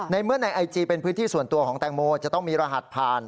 ในเมื่อในไอจีเป็นพื้นที่ส่วนตัวของแตงโมจะต้องมีรหัสผ่าน